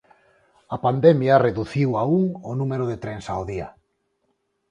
A pandemia reduciu a un o número de trens ao día.